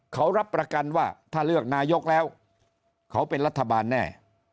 เขารับประกันว่าถ้าเลือกนายกแล้วเขาเป็นรัฐบาลแน่